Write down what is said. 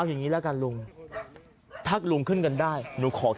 อีกคนออก๓